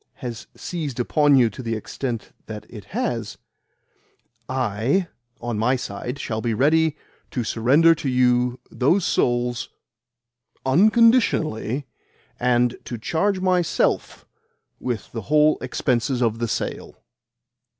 has seized upon you to the extent that it has, I, on my side, shall be ready to surrender to you those souls UNCONDITIONALLY, and to charge myself with the whole expenses of the sale."